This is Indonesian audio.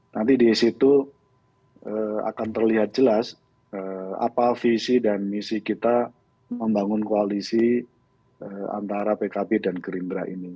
nanti di situ akan terlihat jelas apa visi dan misi kita membangun koalisi antara pkb dan gerindra ini